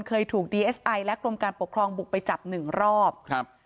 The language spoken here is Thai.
เคยถูกดีเอสไอและกรมการปกครองบุกไปจับหนึ่งรอบครับ